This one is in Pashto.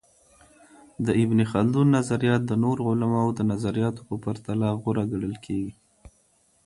د ابن خلدون نظریات د نورو علماؤ د نظریاتو په پرتله غوره ګڼل کيږي.